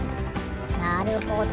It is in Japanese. なるほど。